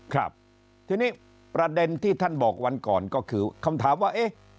ครับทีนี้ประเด็นที่ท่านบอกวันก่อนก็คือคำถามว่าเอ๊ะ